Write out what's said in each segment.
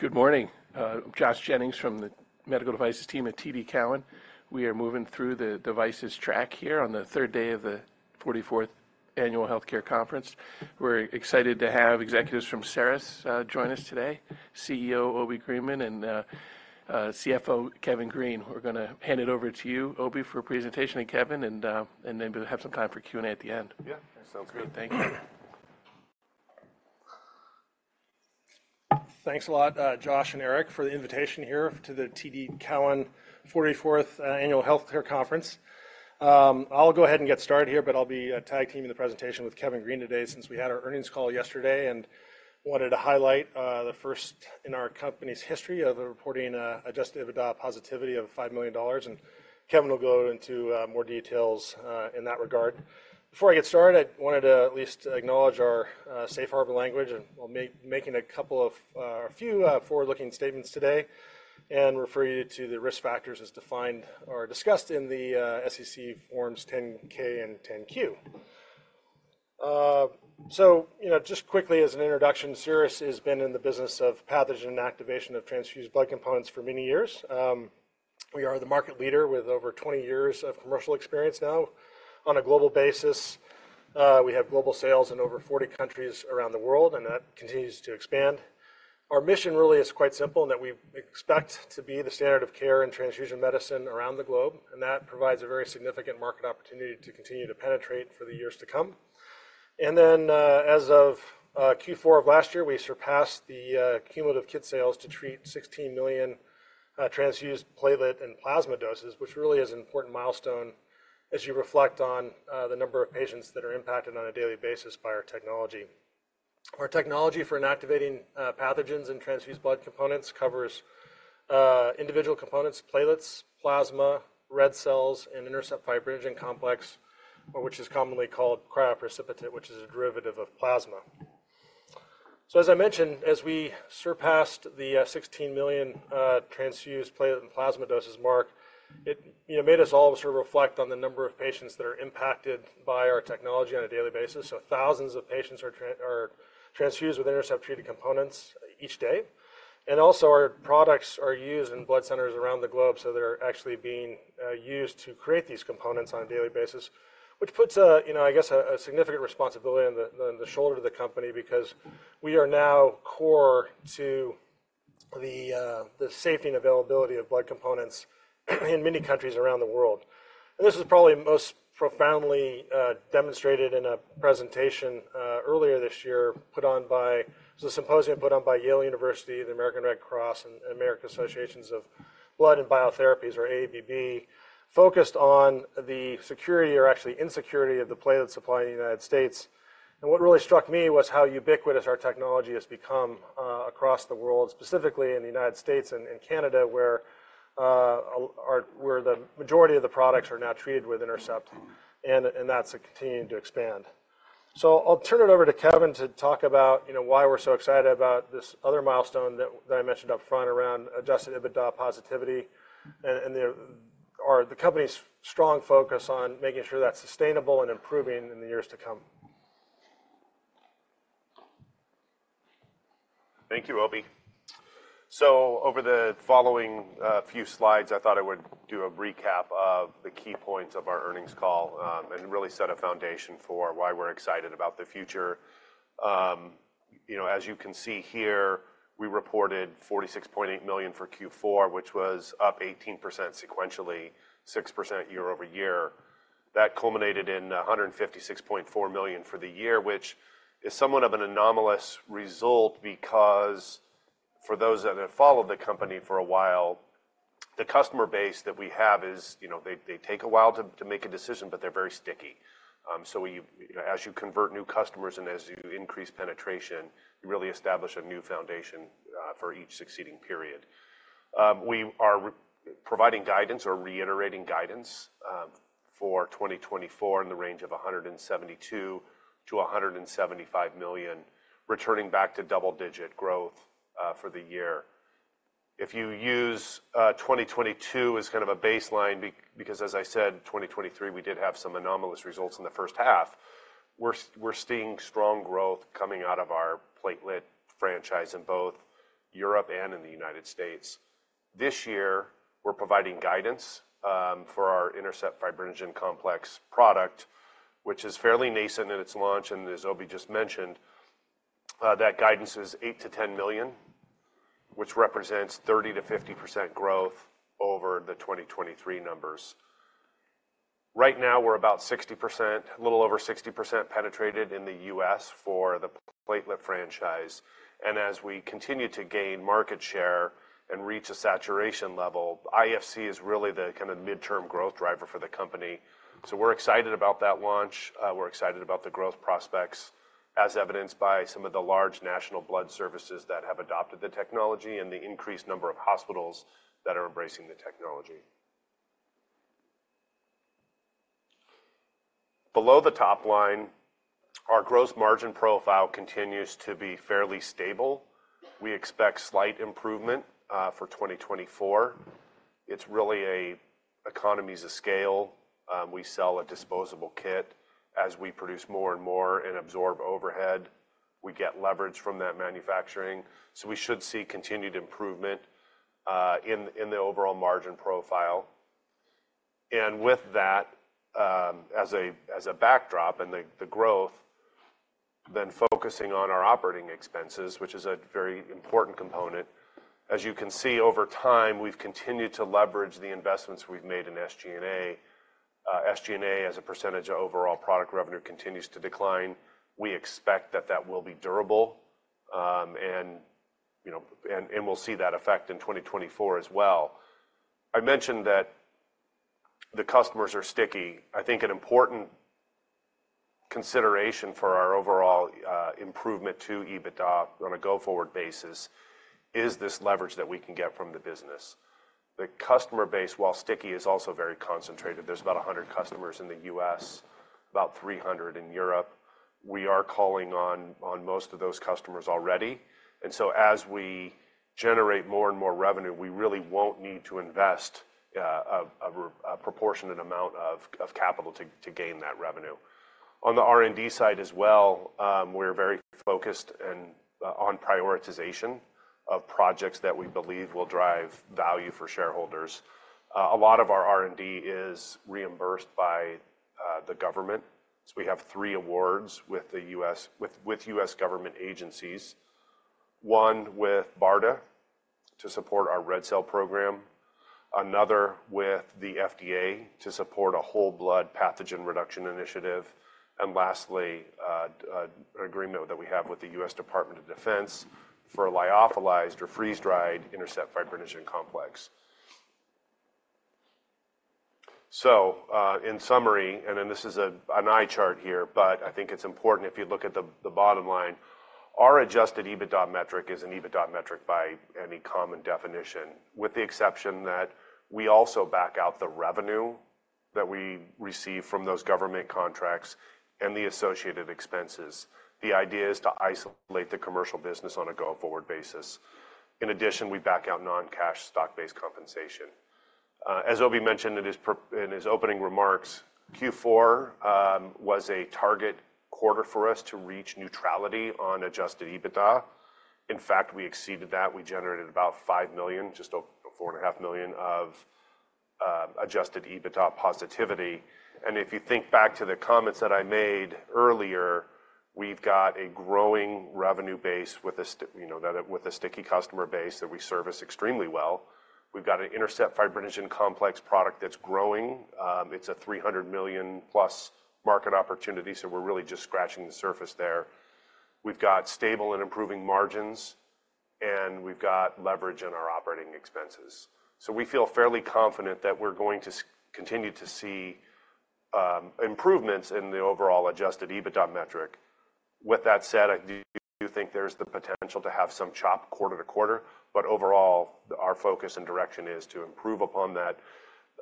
Good morning. Josh Jennings from the Medical Devices Team at TD Cowen. We are moving through the devices track here on the third day of the 44th Annual Healthcare Conference. We're excited to have executives from Cerus join us today, CEO Obi Greenman, and CFO Kevin Green. We're gonna hand it over to you, Obi, for a presentation and Kevin, and then we'll have some time for Q&A at the end. Yeah, that sounds good. Great. Thank you. Thanks a lot, Josh and Eric, for the invitation here to the TD Cowen 44th Annual Healthcare Conference. I'll go ahead and get started here, but I'll be tag-teaming the presentation with Kevin Green today since we had our earnings call yesterday and wanted to highlight the first in our company's history of reporting Adjusted EBITDA positivity of $5 million. And Kevin will go into more details in that regard. Before I get started, I wanted to at least acknowledge our safe harbor language and, well, making a few forward-looking statements today and refer you to the risk factors as defined or discussed in the SEC Forms 10-K and 10-Q. You know, just quickly as an introduction, Cerus has been in the business of pathogen inactivation of transfused blood components for many years. We are the market leader with over 20 years of commercial experience now on a global basis. We have global sales in over 40 countries around the world, and that continues to expand. Our mission really is quite simple in that we expect to be the standard of care in transfusion medicine around the globe, and that provides a very significant market opportunity to continue to penetrate for the years to come. And then, as of Q4 of last year, we surpassed the cumulative kit sales to treat 16 million transfused platelet and plasma doses, which really is an important milestone as you reflect on the number of patients that are impacted on a daily basis by our technology. Our technology for inactivating pathogens and transfused blood components covers individual components, platelets, plasma, red cells, and INTERCEPT Fibrinogen Complex, which is commonly called cryoprecipitate, which is a derivative of plasma. So, as I mentioned, as we surpassed the 16 million transfused platelet and plasma doses mark, it, you know, made us all sort of reflect on the number of patients that are impacted by our technology on a daily basis. So, thousands of patients are transfused with INTERCEPT-treated components each day. And also, our products are used in blood centers around the globe, so they're actually being used to create these components on a daily basis, which puts, you know, I guess, a significant responsibility on the shoulder of the company because we are now core to the safety and availability of blood components in many countries around the world. This is probably most profoundly demonstrated in a presentation earlier this year put on by—it was a symposium put on by Yale University, the American Red Cross, and Association for the Advancement of Blood & Biotherapies, or AABB, focused on the security or actually insecurity of the platelet supply in the United States. What really struck me was how ubiquitous our technology has become across the world, specifically in the United States and Canada where all of our products are now treated with INTERCEPT, and that's continuing to expand. So, I'll turn it over to Kevin to talk about, you know, why we're so excited about this other milestone that I mentioned up front around Adjusted EBITDA positivity and our company's strong focus on making sure that's sustainable and improving in the years to come. Thank you, Obi. So, over the following few slides, I thought I would do a recap of the key points of our earnings call, and really set a foundation for why we're excited about the future. You know, as you can see here, we reported $46.8 million for Q4, which was up 18% sequentially, 6% year-over-year. That culminated in $156.4 million for the year, which is somewhat of an anomalous result because, for those that have followed the company for a while, the customer base that we have is, you know, they, they take a while to, to make a decision, but they're very sticky. So we, you know, as you convert new customers and as you increase penetration, you really establish a new foundation for each succeeding period. We are re-providing guidance or reiterating guidance for 2024 in the range of $172 million-$175 million, returning back to double-digit growth for the year. If you use 2022 as kind of a baseline because, as I said, 2023, we did have some anomalous results in the first half. We're seeing strong growth coming out of our platelet franchise in both Europe and in the United States. This year, we're providing guidance for our INTERCEPT Fibrinogen Complex product, which is fairly nascent in its launch. And as Obi just mentioned, that guidance is $8 million-$10 million, which represents 30%-50% growth over the 2023 numbers. Right now, we're about 60%, a little over 60% penetrated in the U.S. for the platelet franchise. As we continue to gain market share and reach a saturation level, IFC is really the kind of midterm growth driver for the company. So, we're excited about that launch. We're excited about the growth prospects, as evidenced by some of the large national blood services that have adopted the technology and the increased number of hospitals that are embracing the technology. Below the top line, our gross margin profile continues to be fairly stable. We expect slight improvement for 2024. It's really a economies of scale. We sell a disposable kit. As we produce more and more and absorb overhead, we get leverage from that manufacturing. So, we should see continued improvement in the overall margin profile. And with that, as a backdrop and the growth, then focusing on our operating expenses, which is a very important component. As you can see, over time, we've continued to leverage the investments we've made in SG&A. SG&A, as a percentage of overall product revenue, continues to decline. We expect that will be durable, and, you know, we'll see that effect in 2024 as well. I mentioned that the customers are sticky. I think an important consideration for our overall improvement to EBITDA on a go-forward basis is this leverage that we can get from the business. The customer base, while sticky, is also very concentrated. There's about 100 customers in the U.S., about 300 in Europe. We are calling on most of those customers already. And so, as we generate more and more revenue, we really won't need to invest a proportionate amount of capital to gain that revenue. On the R&D side as well, we're very focused and, on prioritization of projects that we believe will drive value for shareholders. A lot of our R&D is reimbursed by, the government. So, we have three awards with the U.S. with, with U.S. government agencies. One with BARDA to support our red cell program. Another with the FDA to support a whole blood pathogen reduction initiative. And lastly, an agreement that we have with the U.S. Department of Defense for a lyophilized or freeze-dried INTERCEPT Fibrinogen Complex. So, in summary and then this is a an eye chart here, but I think it's important if you look at the, the bottom line, our Adjusted EBITDA metric is an EBITDA metric by any common definition, with the exception that we also back out the revenue that we receive from those government contracts and the associated expenses. The idea is to isolate the commercial business on a go-forward basis. In addition, we back out non-cash stock-based compensation. As Obi mentioned in his opening remarks, Q4 was a target quarter for us to reach neutrality on Adjusted EBITDA. In fact, we exceeded that. We generated about $5 million, just over $4.5 million of Adjusted EBITDA positivity. And if you think back to the comments that I made earlier, we've got a growing revenue base with a sticky customer base that we service extremely well. We've got an INTERCEPT Fibrinogen Complex product that's growing. It's a $300 million+ market opportunity, so we're really just scratching the surface there. We've got stable and improving margins, and we've got leverage in our operating expenses. So, we feel fairly confident that we're going to continue to see improvements in the overall Adjusted EBITDA metric. With that said, I do think there's the potential to have some chop quarter-to-quarter. But overall, our focus and direction is to improve upon that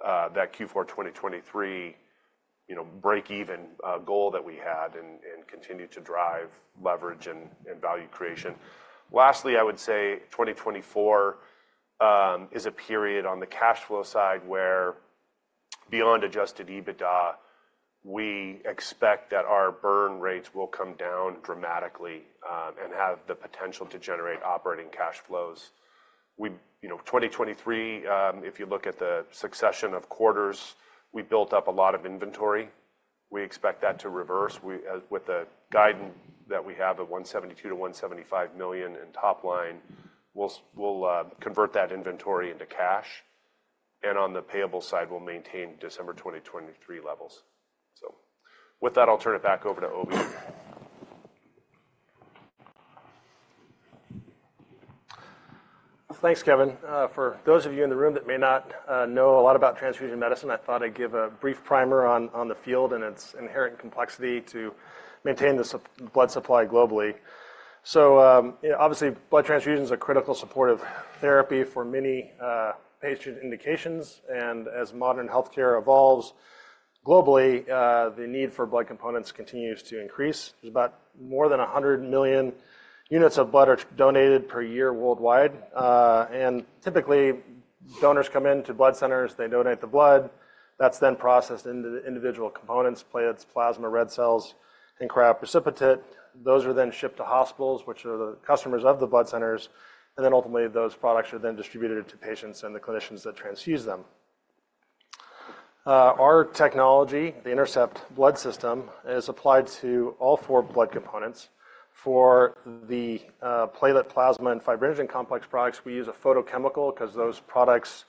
Q4 2023, you know, break-even goal that we had and continue to drive leverage and value creation. Lastly, I would say 2024 is a period on the cash flow side where, beyond Adjusted EBITDA, we expect that our burn rates will come down dramatically, and have the potential to generate operating cash flows. We, you know, 2023, if you look at the succession of quarters, we built up a lot of inventory. We expect that to reverse. We start with the guidance that we have of $172 million-$175 million in top line, we'll convert that inventory into cash. And on the payable side, we'll maintain December 2023 levels. With that, I'll turn it back over to Obi. Thanks, Kevin. For those of you in the room that may not know a lot about transfusion medicine, I thought I'd give a brief primer on the field and its inherent complexity to maintain the safe blood supply globally. So, you know, obviously, blood transfusions are critical supportive therapy for many patient indications. And as modern healthcare evolves globally, the need for blood components continues to increase. There's about more than 100 million units of blood are donated per year worldwide. Typically, donors come into blood centers. They donate the blood. That's then processed into the individual components, platelets, plasma, red cells, and cryoprecipitate. Those are then shipped to hospitals, which are the customers of the blood centers. And then ultimately, those products are then distributed to patients and the clinicians that transfuse them. Our technology, the INTERCEPT Blood System, is applied to all four blood components. For the platelet, plasma, and fibrinogen complex products, we use a photochemical 'cause those products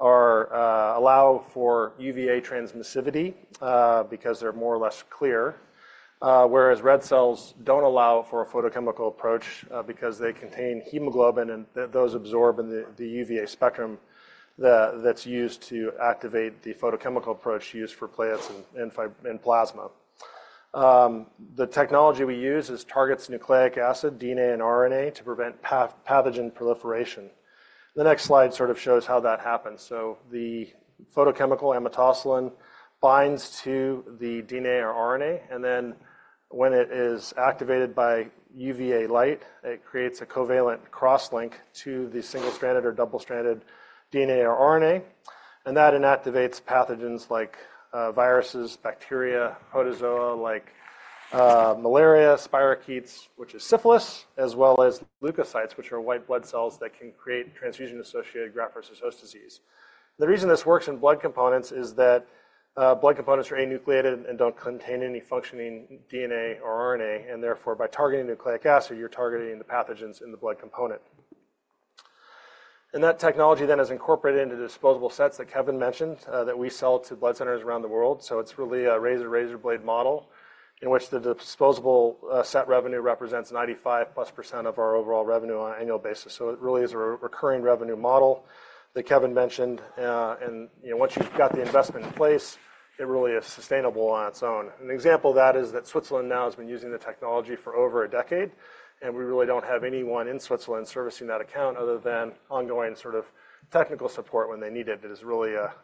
allow for UVA transmissivity, because they're more or less clear. Whereas red cells don't allow for a photochemical approach, because they contain hemoglobin and those absorb in the UVA spectrum that's used to activate the photochemical approach used for platelets and fibrinogen and plasma. The technology we use is targets nucleic acid, DNA, and RNA to prevent pathogen proliferation. The next slide sort of shows how that happens. So, the photochemical amotosalen binds to the DNA or RNA. And then when it is activated by UVA light, it creates a covalent crosslink to the single-stranded or double-stranded DNA or RNA. And that inactivates pathogens like viruses, bacteria, protozoa like malaria, spirochetes, which is syphilis, as well as leukocytes, which are white blood cells that can create Transfusion-Associated Graft-Versus-Host Disease. The reason this works in blood components is that blood components are enucleated and don't contain any functioning DNA or RNA. And therefore, by targeting nucleic acid, you're targeting the pathogens in the blood component. And that technology then is incorporated into disposable sets that Kevin mentioned, that we sell to blood centers around the world. So, it's really a razor-razor blade model in which the disposable set revenue represents 95%+ of our overall revenue on an annual basis. So, it really is a recurring revenue model that Kevin mentioned. And you know, once you've got the investment in place, it really is sustainable on its own. An example of that is that Switzerland now has been using the technology for over a decade. And we really don't have anyone in Switzerland servicing that account other than ongoing sort of technical support when they need it. It is really a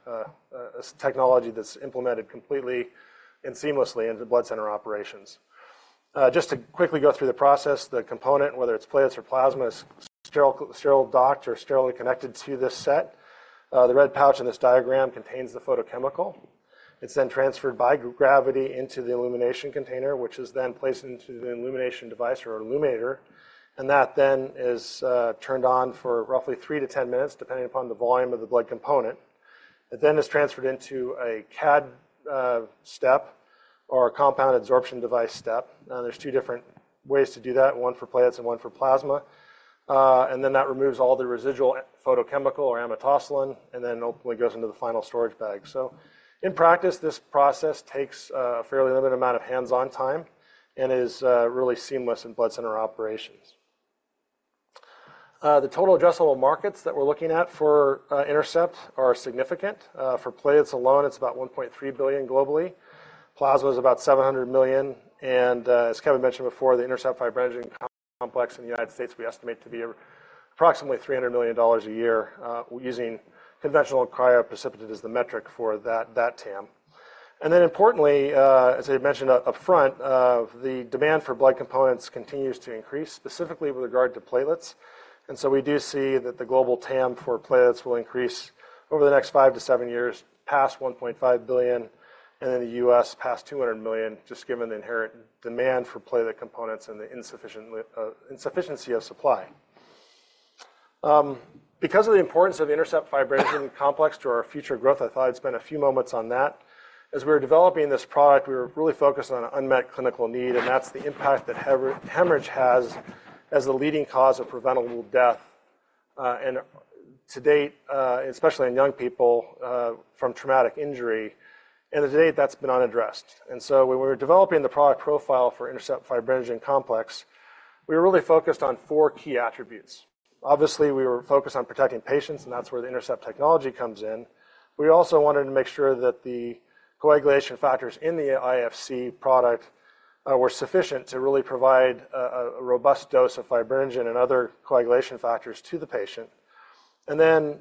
technology that's implemented completely and seamlessly into blood center operations. Just to quickly go through the process, the component, whether it's platelets or plasma, is sterilely docked or sterilely connected to this set. The red pouch in this diagram contains the photochemical. It's then transferred by gravity into the illumination container, which is then placed into the illumination device or illuminator. And that then is turned on for roughly three to 10-minutes, depending upon the volume of the blood component. It then is transferred into a CAD step or a compound absorption device step. There's two different ways to do that, one for platelets and one for plasma. And then that removes all the residual photochemical or amotosalen and then ultimately goes into the final storage bag. So, in practice, this process takes a fairly limited amount of hands-on time and is really seamless in blood center operations. The total addressable markets that we're looking at for intercept are significant. For platelets alone, it's about $1.3 billion globally. Plasma is about $700 million. As Kevin mentioned before, the intercept fibrinogen complex in the United States, we estimate to be approximately $300 million a year, using conventional cryoprecipitate as the metric for that TAM. Then importantly, as I mentioned upfront, the demand for blood components continues to increase, specifically with regard to platelets. And so, we do see that the global TAM for platelets will increase over the next five to seven years, past $1.5 billion, and in the U.S., past $200 million, just given the inherent demand for platelet components and the insufficient supply. Because of the importance of the INTERCEPT Fibrinogen Complex to our future growth, I thought I'd spend a few moments on that. As we were developing this product, we were really focused on an unmet clinical need. And that's the impact that hemorrhage has as the leading cause of preventable death and to date, especially in young people, from traumatic injury, and to date, that's been unaddressed. And so, when we were developing the product profile for INTERCEPT Fibrinogen Complex, we were really focused on four key attributes. Obviously, we were focused on protecting patients, and that's where the INTERCEPT technology comes in. We also wanted to make sure that the coagulation factors in the IFC product were sufficient to really provide a robust dose of fibrinogen and other coagulation factors to the patient. Then,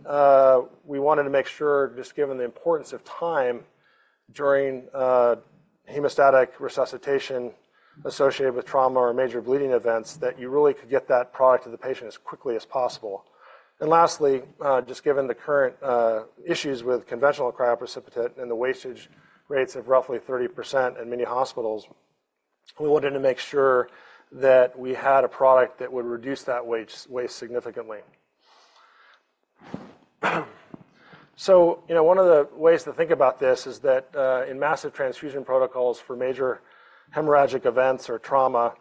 we wanted to make sure, just given the importance of time during hemostatic resuscitation associated with trauma or major bleeding events, that you really could get that product to the patient as quickly as possible. Lastly, just given the current issues with conventional cryoprecipitate and the wastage rates of roughly 30% in many hospitals, we wanted to make sure that we had a product that would reduce that waste significantly. So, you know, one of the ways to think about this is that, in massive transfusion protocols for major hemorrhagic events or trauma,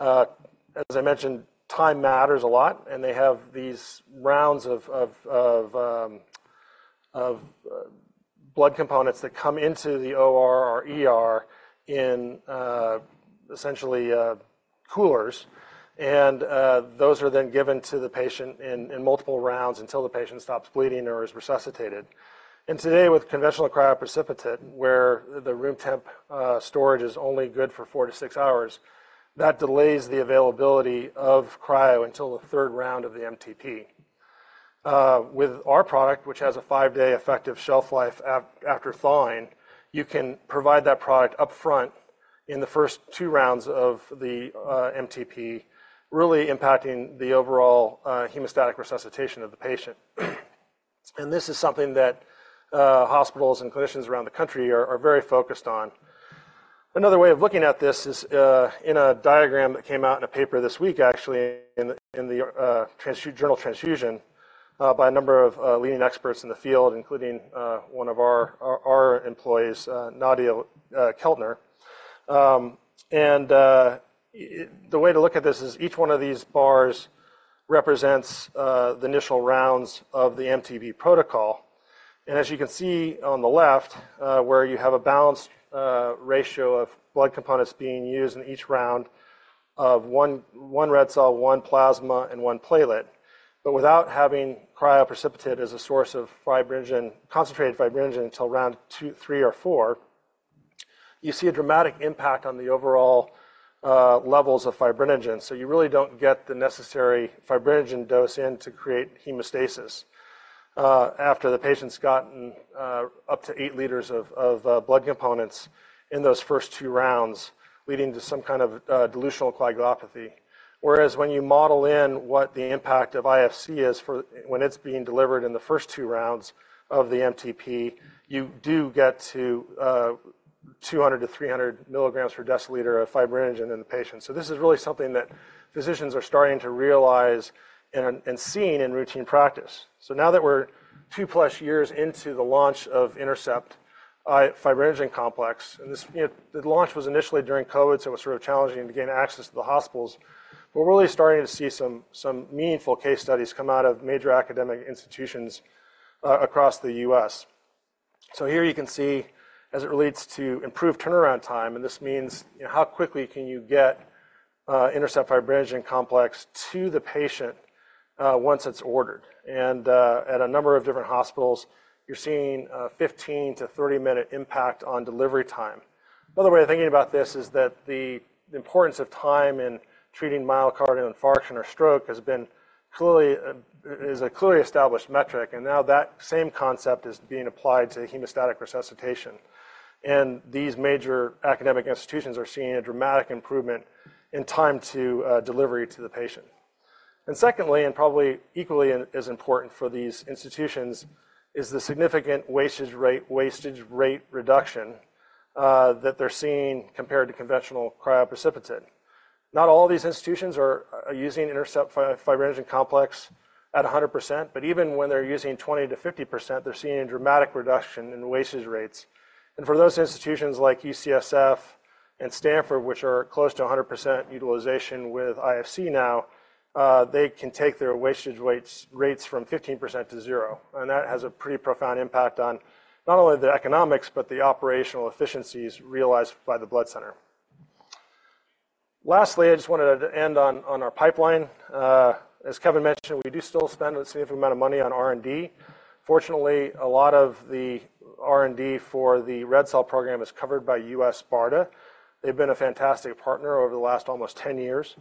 as I mentioned, time matters a lot. They have these rounds of blood components that come into the OR or, essentially, coolers. Those are then given to the patient in multiple rounds until the patient stops bleeding or is resuscitated. And today, with conventional cryoprecipitate, where the room temp storage is only good for four to 6-hours, that delays the availability of cryo until the third round of the MTP. With our product, which has a five-day effective shelf life after thawing, you can provide that product upfront in the first two rounds of the MTP, really impacting the overall hemostatic resuscitation of the patient. And this is something that hospitals and clinicians around the country are very focused on. Another way of looking at this is in a diagram that came out in a paper this week, actually, in the Transfusion journal, by a number of leading experts in the field, including one of our employees, Nadia Kettner. And the way to look at this is each one of these bars represents the initial rounds of the MTP protocol. As you can see on the left, where you have a balanced ratio of blood components being used in each round of one-to-one, one red cell, one plasma, and one platelet. But without having cryoprecipitate as a source of fibrinogen, concentrated fibrinogen until round two, three, or four, you see a dramatic impact on the overall levels of fibrinogen. So, you really don't get the necessary fibrinogen dose in to create hemostasis, after the patient's gotten up to 8-liters of blood components in those first two rounds, leading to some kind of dilutional coagulopathy. Whereas when you model in what the impact of IFC is for when it's being delivered in the first two rounds of the MTP, you do get to 200-300 milligrams per deciliter of fibrinogen in the patient. So, this is really something that physicians are starting to realize and seeing in routine practice. So, now that we're 2+ years into the launch of INTERCEPT Fibrinogen Complex, and this, you know, the launch was initially during COVID, so it was sort of challenging to gain access to the hospitals, but we're really starting to see some meaningful case studies come out of major academic institutions, across the U.S. So, here you can see as it relates to improved turnaround time. And this means, you know, how quickly can you get INTERCEPT Fibrinogen Complex to the patient, once it's ordered? And, at a number of different hospitals, you're seeing 15-30-minute impact on delivery time. By the way, thinking about this is that the importance of time in treating myocardial infarction or stroke has been clearly established metric. And now that same concept is being applied to hemostatic resuscitation. And these major academic institutions are seeing a dramatic improvement in time to delivery to the patient. And secondly, and probably equally as important for these institutions, is the significant wastage rate reduction that they're seeing compared to conventional cryoprecipitate. Not all these institutions are using INTERCEPT Fibrinogen Complex at 100%, but even when they're using 20%-50%, they're seeing a dramatic reduction in wastage rates. And for those institutions like UCSF and Stanford, which are close to 100% utilization with IFC now, they can take their wastage rates from 15%-0%. And that has a pretty profound impact on not only the economics, but the operational efficiencies realized by the blood center. Lastly, I just wanted to end on our pipeline. As Kevin mentioned, we do still spend a significant amount of money on R&D. Fortunately, a lot of the R&D for the red cell program is covered by U.S. BARDA. They've been a fantastic partner over the last almost 10 years.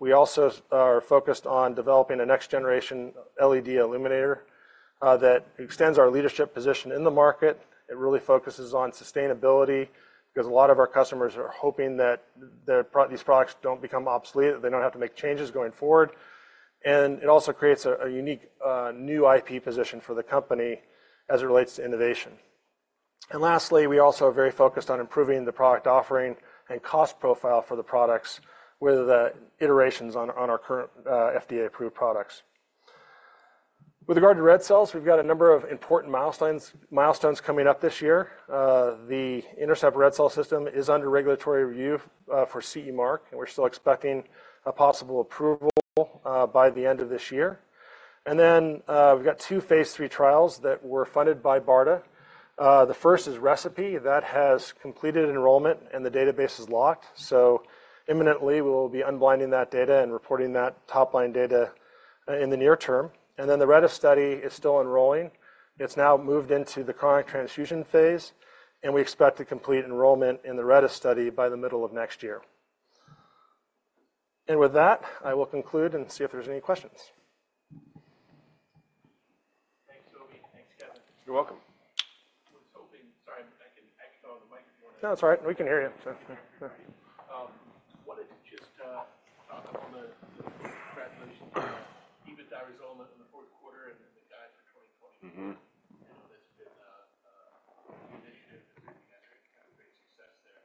We also are focused on developing a next-generation LED illuminator that extends our leadership position in the market. It really focuses on sustainability 'cause a lot of our customers are hoping that their that these products don't become obsolete, that they don't have to make changes going forward. It also creates a unique new IP position for the company as it relates to innovation. Lastly, we also are very focused on improving the product offering and cost profile for the products with the iterations on our current FDA-approved products. With regard to red cells, we've got a number of important milestones coming up this year. The INTERCEPT red cell system is under regulatory review for CE Mark, and we're still expecting a possible approval by the end of this year. And then, we've got two Phase III trials that were funded by BARDA. The first is ReCePI. That has completed enrollment, and the database is locked. So, imminently, we'll be unblinding that data and reporting that top-line data in the near term. And then the RedeS study is still enrolling. It's now moved into the chronic transfusion phase, and we expect to complete enrollment in the RedeS study by the middle of next year. And with that, I will conclude and see if there's any questions. Thanks, Obi. Thanks, Kevin. You're welcome. I was hoping, sorry, I can throw on the mic if you want to. No, it's all right. We can hear you. Yeah. I wanted to just talk about the congratulations to Vivek Jayaraman on the fourth quarter and the guide for 2024. I know that's been the initiative and everything has been kind of great success there.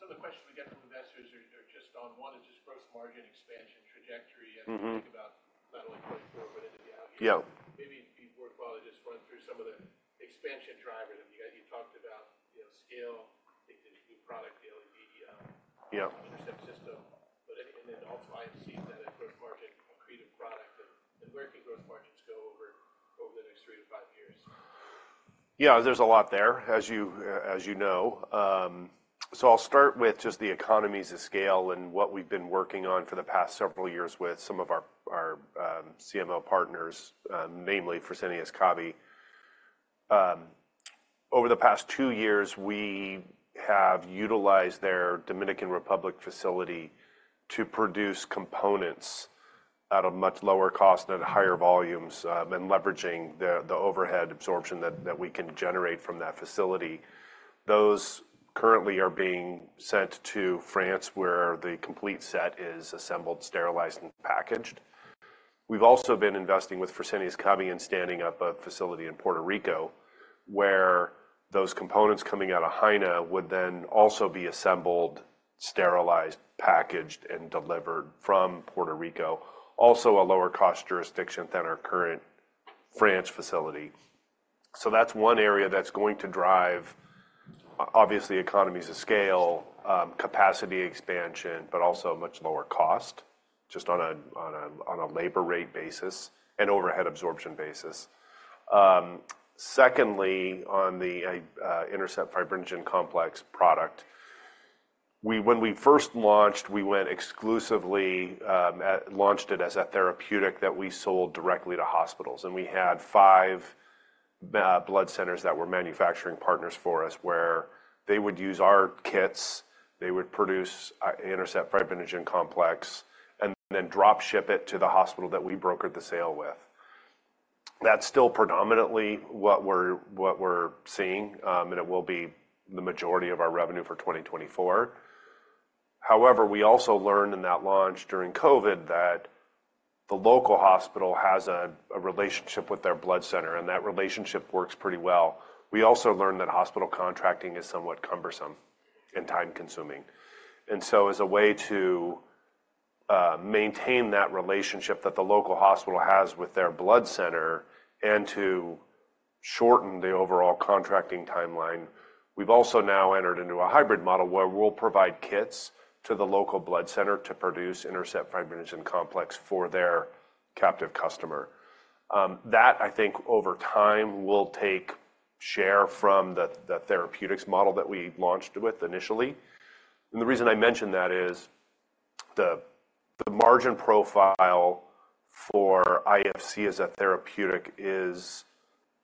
Some of the questions we get from investors are just, one is just gross margin expansion trajectory. Yeah. As we think about not only 2024 but into the out years. Yeah. Maybe it'd be worthwhile to just run through some of the expansion drivers. I mean, you guys you talked about, you know, scale, take this new product, the LED, Yeah. INTERCEPT system, but any and then also IFC, that gross margin creative product, and where can gross margins go over the next three to five years? Yeah, there's a lot there as you know. So I'll start with just the economies of scale and what we've been working on for the past several years with some of our CMO partners, mainly Fresenius Kabi. Over the past two years, we have utilized their Dominican Republic facility to produce components at a much lower cost and at higher volumes, and leveraging the overhead absorption that we can generate from that facility. Those currently are being sent to France, where the complete set is assembled, sterilized, and packaged. We've also been investing with Fresenius Kabi in standing up a facility in Puerto Rico, where those components coming out of Haina would then also be assembled, sterilized, packaged, and delivered from Puerto Rico, also a lower cost jurisdiction than our current France facility. So, that's one area that's going to drive, obviously, economies of scale, capacity expansion, but also much lower cost just on a labor rate basis and overhead absorption basis. Secondly, on the INTERCEPT fibrinogen complex product, when we first launched, we went exclusively at launch, it as a therapeutic that we sold directly to hospitals. And we had five blood centers that were manufacturing partners for us where they would use our kits, they would produce INTERCEPT fibrinogen complex, and then dropship it to the hospital that we brokered the sale with. That's still predominantly what we're seeing, and it will be the majority of our revenue for 2024. However, we also learned in that launch during COVID that the local hospital has a relationship with their blood center, and that relationship works pretty well. We also learned that hospital contracting is somewhat cumbersome and time-consuming. And so, as a way to maintain that relationship that the local hospital has with their blood center and to shorten the overall contracting timeline, we've also now entered into a hybrid model where we'll provide kits to the local blood center to produce INTERCEPT Fibrinogen Complex for their captive customer. That, I think, over time will take share from the therapeutics model that we launched with initially. And the reason I mentioned that is the margin profile for IFC as a therapeutic is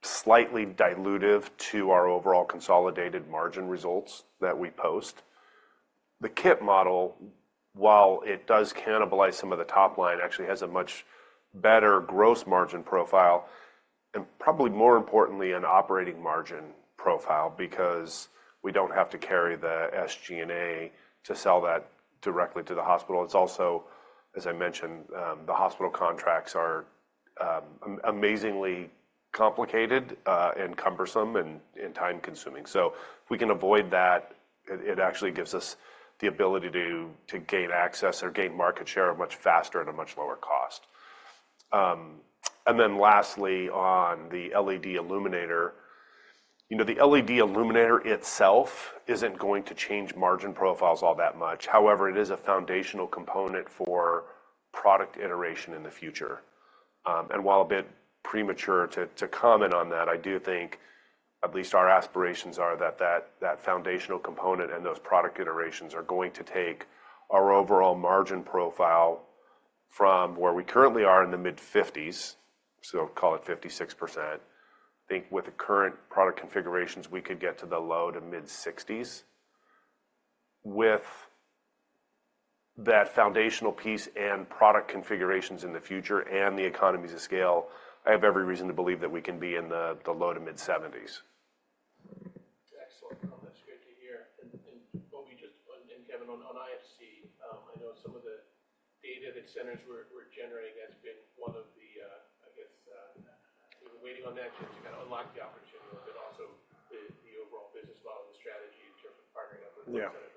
slightly dilutive to our overall consolidated margin results that we post. The kit model, while it does cannibalize some of the top line, actually has a much better gross margin profile and probably more importantly, an operating margin profile because we don't have to carry the SG&A to sell that directly to the hospital. It's also, as I mentioned, the hospital contracts are amazingly complicated, and cumbersome, and time-consuming. So, if we can avoid that, it actually gives us the ability to gain access or gain market share much faster at a much lower cost. And then lastly, on the LED illuminator, you know, the LED illuminator itself isn't going to change margin profiles all that much. However, it is a foundational component for product iteration in the future. While a bit premature to comment on that, I do think at least our aspirations are that that foundational component and those product iterations are going to take our overall margin profile from where we currently are in the mid-50s, so call it 56%. I think with the current product configurations, we could get to the low- to mid-60s. With that foundational piece and product configurations in the future and the economies of scale, I have every reason to believe that we can be in the low- to mid-70s. Excellent comment. It's great to hear. And Obi, just on Kevin, on IFC, I know some of the data that centers were generating has been one of the, I guess, we were waiting on that just to kind of unlock the opportunity a little bit, also the overall business model and the strategy in terms of partnering up with. Yeah. Blood center versus going out of yourselves. What else is, I mean, any great guidance for 2024 on the IFC product line? I mean,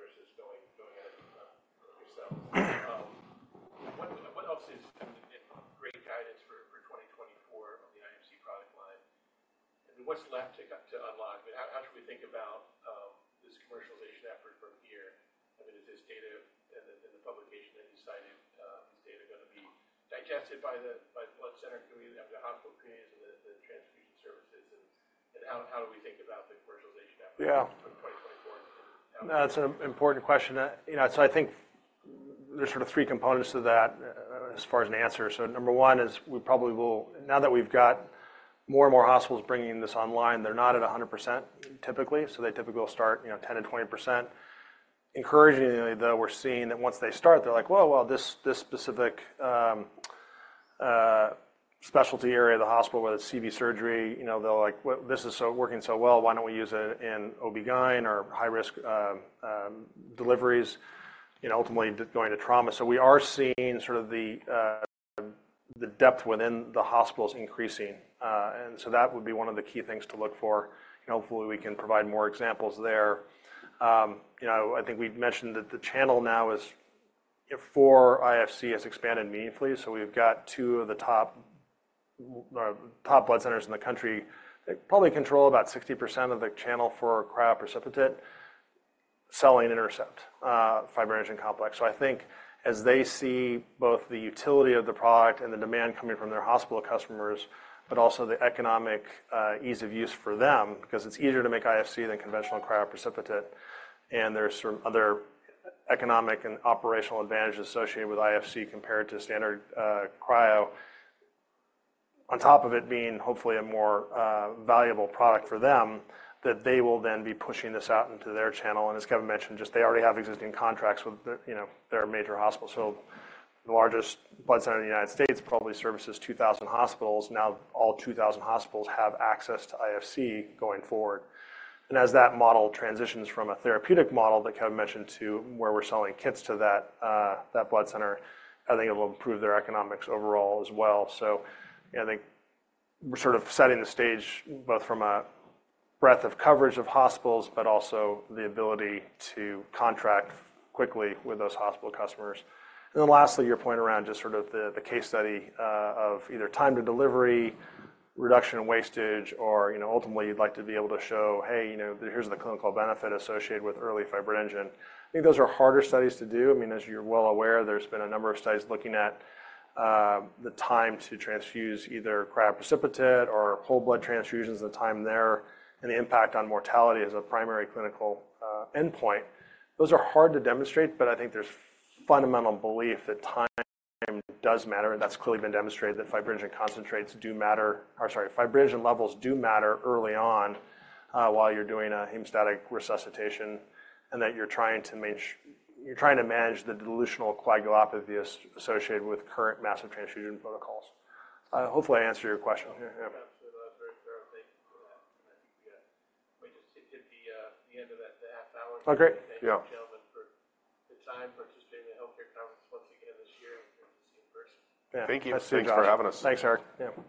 what's left to unlock? I mean, how should we think about this commercialization effort from here? I mean, is this data and the publication that you cited gonna be digested by the blood center? Can we have the hospital create and the transfusion services? And how do we think about the commercialization effort. Yeah. For 2024 and how. No, that's an important question. You know, so I think there's sort of three components to that, as far as an answer. So, Number 1 is we probably will now that we've got more and more hospitals bringing this online, they're not at 100% typically. So, they typically will start, you know, 10%-20%. Encouragingly, though, we're seeing that once they start, they're like, "Whoa, well, this, this specific, specialty area of the hospital, whether it's CV surgery, you know, they'll like, 'Well, this is so working so well, why don't we use it in OB-GYN or high-risk, deliveries, you know, ultimately going to trauma?'" So, we are seeing sort of the, the depth within the hospitals increasing. And so that would be one of the key things to look for. And hopefully, we can provide more examples there. You know, I think we mentioned that the channel now is, you know, for IFC has expanded meaningfully. So, we've got two of the top, top blood centers in the country that probably control about 60% of the channel for cryoprecipitate selling INTERCEPT Fibrinogen Complex. So, I think as they see both the utility of the product and the demand coming from their hospital customers, but also the economic, ease of use for them 'cause it's easier to make IFC than conventional cryoprecipitate, and there's some other economic and operational advantages associated with IFC compared to standard, cryo, on top of it being hopefully a more, valuable product for them, that they will then be pushing this out into their channel. And as Kevin mentioned, just they already have existing contracts with the, you know, their major hospital. So, the largest blood center in the United States probably services 2,000 hospitals. Now, all 2,000 hospitals have access to IFC going forward. And as that model transitions from a therapeutic model that Kevin mentioned to where we're selling kits to that, that blood center, I think it will improve their economics overall as well. So, you know, I think we're sort of setting the stage both from a breadth of coverage of hospitals, but also the ability to contract quickly with those hospital customers. And then lastly, your point around just sort of the, the case study, of either time to delivery, reduction in wastage, or, you know, ultimately, you'd like to be able to show, "Hey, you know, here's the clinical benefit associated with early fibrinogen." I think those are harder studies to do. I mean, as you're well aware, there's been a number of studies looking at the time to transfuse either cryoprecipitate or whole blood transfusions, the time there and the impact on mortality as a primary clinical endpoint. Those are hard to demonstrate, but I think there's a fundamental belief that time does matter. That's clearly been demonstrated, that fibrinogen concentrates do matter or sorry, fibrinogen levels do matter early on, while you're doing a hemostatic resuscitation and that you're trying to manage the dilutional coagulopathy associated with current massive transfusion protocols. Hopefully, I answered your question here. Yeah. Absolutely. That was very thorough. Thank you for that. And I think we just hit the end of that, the half hour. Oh, great. Yeah. Thank you, gentlemen, for the time participating in the healthcare conference once again this year and here to see in person. Yeah. Thank you. Thanks for having us. Thanks, Eric. Yeah.